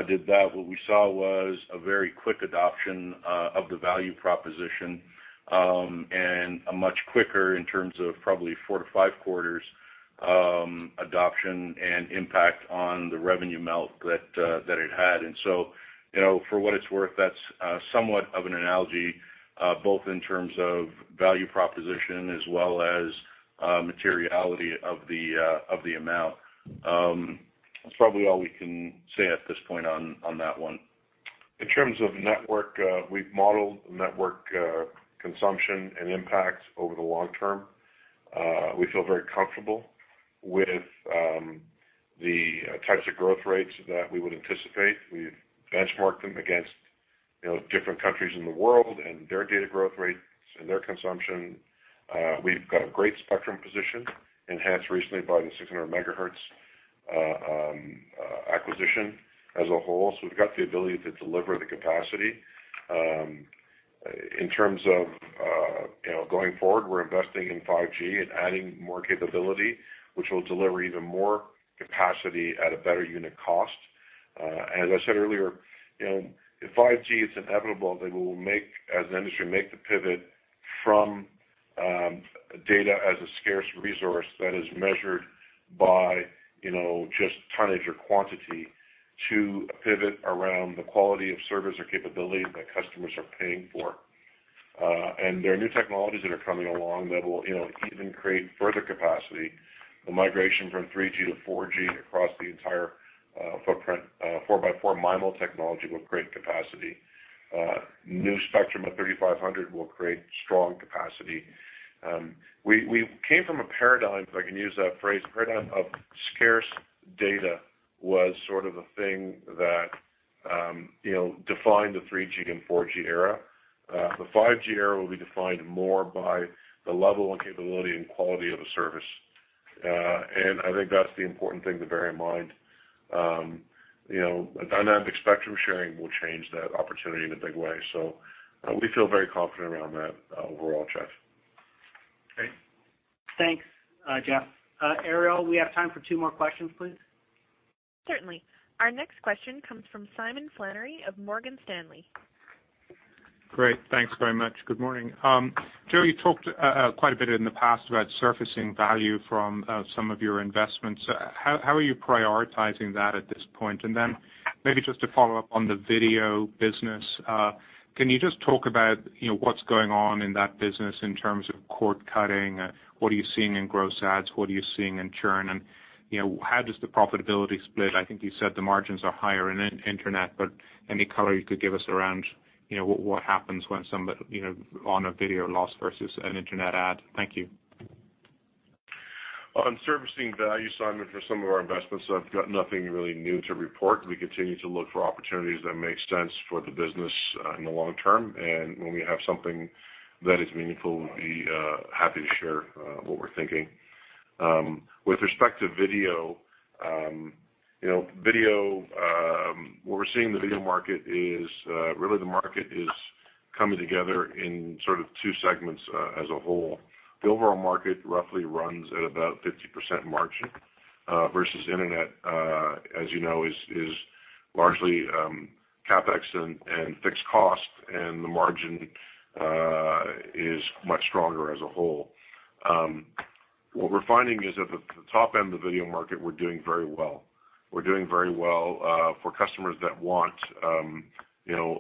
did that, what we saw was a very quick adoption of the value proposition and a much quicker in terms of probably four to five quarters adoption and impact on the revenue amount that it had. And so for what it's worth, that's somewhat of an analogy, both in terms of value proposition as well as materiality of the amount. That's probably all we can say at this point on that one. In terms of network, we've modeled network consumption and impact over the long term. We feel very comfortable with the types of growth rates that we would anticipate. We've benchmarked them against different countries in the world and their data growth rates and their consumption. We've got a great spectrum position, enhanced recently by the 600 megahertz acquisition as a whole. So we've got the ability to deliver the capacity. In terms of going forward, we're investing in 5G and adding more capability, which will deliver even more capacity at a better unit cost. And as I said earlier, if 5G, it's inevitable that we will, as an industry, make the pivot from data as a scarce resource that is measured by just tonnage or quantity to a pivot around the quality of service or capability that customers are paying for. And there are new technologies that are coming along that will even create further capacity. The migration from 3G to 4G across the entire footprint, 4x4 MIMO technology will create capacity. New spectrum of 3500 will create strong capacity. We came from a paradigm, if I can use that phrase, a paradigm of scarce data was sort of a thing that defined the 3G and 4G era. The 5G era will be defined more by the level of capability and quality of the service. And I think that's the important thing to bear in mind. Dynamic spectrum sharing will change that opportunity in a big way. So we feel very confident around that overall, Jeff. Okay. Thanks, Jeff. Ariel, we have time for two more questions, please. Certainly. Our next question comes from Simon Flannery of Morgan Stanley. Great. Thanks very much. Good morning. Joe, you talked quite a bit in the past about surfacing value from some of your investments. How are you prioritizing that at this point? And then maybe just to follow up on the video business, can you just talk about what's going on in that business in terms of cord cutting? What are you seeing in gross adds? What are you seeing in churn? And how does the profitability split? I think you said the margins are higher in internet, but any color you could give us around what happens when someone on a video loss versus an internet add. Thank you. On surfacing value, Simon, for some of our investments, I've got nothing really new to report. We continue to look for opportunities that make sense for the business in the long term, and when we have something that is meaningful, we'll be happy to share what we're thinking. With respect to video, what we're seeing in the video market is really the market is coming together in sort of two segments as a whole. The overall market roughly runs at about 50% margin versus internet, as you know, is largely CapEx and fixed cost, and the margin is much stronger as a whole. What we're finding is at the top end of the video market, we're doing very well. We're doing very well for customers that want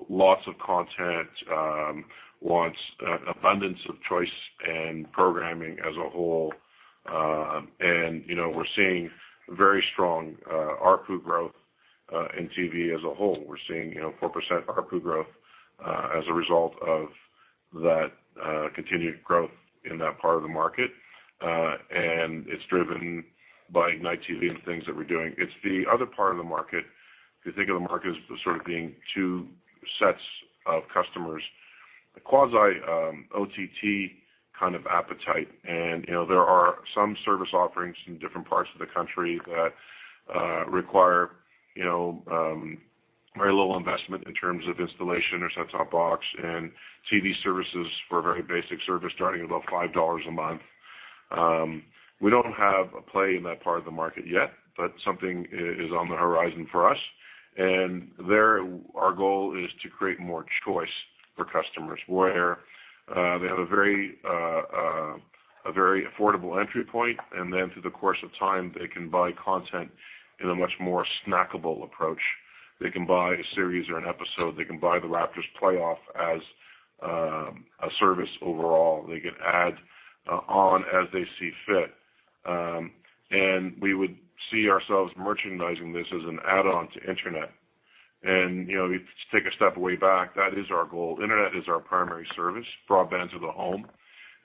lots of content, want abundance of choice and programming as a whole. We're seeing very strong ARPU growth in TV as a whole. We're seeing 4% ARPU growth as a result of that continued growth in that part of the market. It's driven by Ignite TV and things that we're doing. It's the other part of the market. If you think of the market as sort of being two sets of customers, a quasi-OTT kind of appetite. There are some service offerings in different parts of the country that require very little investment in terms of installation or set-top box and TV services for a very basic service starting at about 5 dollars a month. We don't have a play in that part of the market yet, but something is on the horizon for us. And our goal is to create more choice for customers where they have a very affordable entry point, and then through the course of time, they can buy content in a much more snackable approach. They can buy a series or an episode. They can buy the Raptors playoff as a service overall. They can add on as they see fit. And we would see ourselves merchandising this as an add-on to internet. And if you take a step way back, that is our goal. Internet is our primary service, broadband to the home.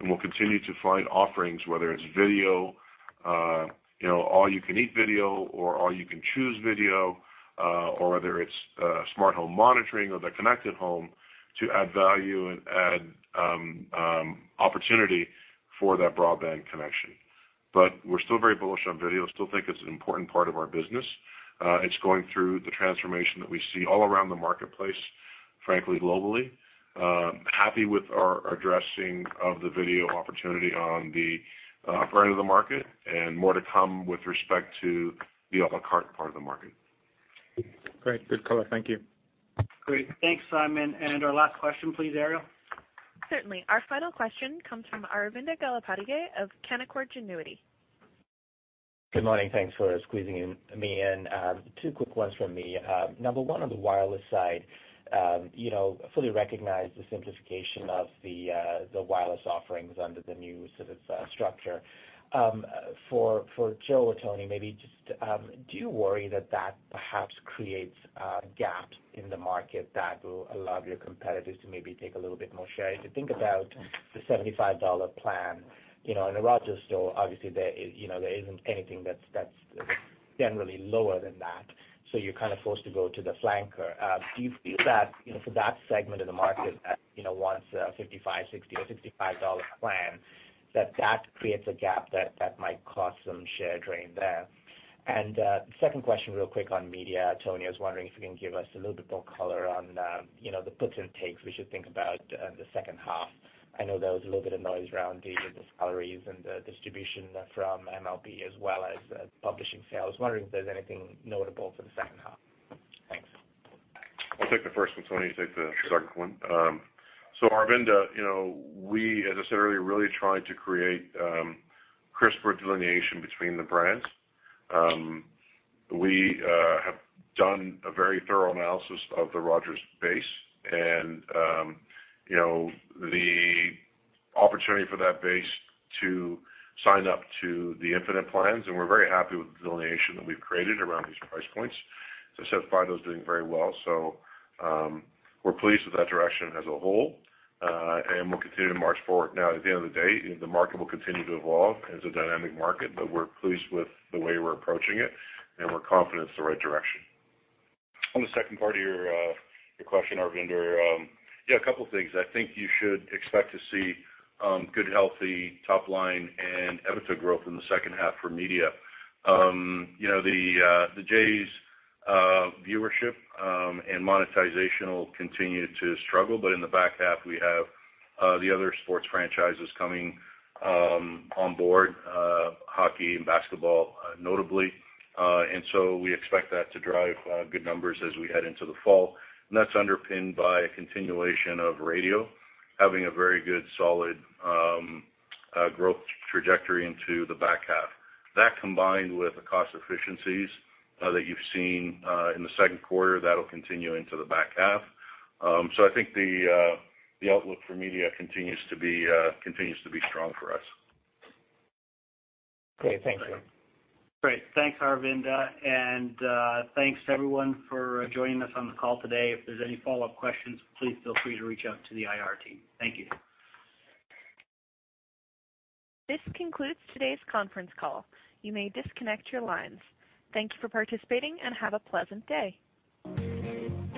And we'll continue to find offerings, whether it's video, all-you-can-eat video, or all-you-can-choose video, or whether it's Smart Home Monitoring or the connected home to add value and add opportunity for that broadband connection. But we're still very bullish on video. Still think it's an important part of our business. It's going through the transformation that we see all around the marketplace, frankly, globally. Happy with our addressing of the video opportunity on the upper end of the market and more to come with respect to the à la carte part of the market. Great. Good color. Thank you. Great. Thanks, Simon. And our last question, please, Ariel. Certainly. Our final question comes from Aravinda Galappatthige of Canaccord Genuity. Good morning. Thanks for squeezing in. Two quick ones for me. Number one, on the wireless side, fully recognize the simplification of the wireless offerings under the new sort of structure. For Joe or Tony, maybe just do you worry that that perhaps creates gaps in the market that will allow your competitors to maybe take a little bit more share? If you think about the 75 dollar plan, in a Rogers store, obviously, there isn't anything that's generally lower than that. So you're kind of forced to go to the flanker. Do you feel that for that segment of the market that wants a 55, 60, or 65 dollar plan, that that creates a gap that might cause some share drain there? And second question, real quick on media. Tony is wondering if you can give us a little bit more color on the puts and takes we should think about in the second half. I know there was a little bit of noise around the salaries and the distribution from MLB as well as publishing sales. Wondering if there's anything notable for the second half? Thanks. I'll take the first one. Tony, you take the second one. So Aravinda, we, as I said earlier, are really trying to create crisper delineation between the brands. We have done a very thorough analysis of the Rogers base and the opportunity for that base to sign up to the Infinite plans. And we're very happy with the delineation that we've created around these price points. As I said, Fido is doing very well. So we're pleased with that direction as a whole. And we'll continue to march forward. Now, at the end of the day, the market will continue to evolve. It's a dynamic market, but we're pleased with the way we're approaching it. And we're confident it's the right direction. On the second part of your question, Aravinda, yeah, a couple of things. I think you should expect to see good, healthy top-line and EBITDA growth in the second half for media. The Jays' viewership and monetization will continue to struggle, but in the back half, we have the other sports franchises coming on board, hockey and basketball, notably, and so we expect that to drive good numbers as we head into the fall, and that's underpinned by a continuation of radio having a very good, solid growth trajectory into the back half. That combined with the cost efficiencies that you've seen in the second quarter, that'll continue into the back half, so I think the outlook for media continues to be strong for us. Great. Thanks, Joe. Great. Thanks, Aravinda. And thanks to everyone for joining us on the call today. If there's any follow-up questions, please feel free to reach out to the IR team. Thank you. This concludes today's conference call. You may disconnect your lines. Thank you for participating and have a pleasant day.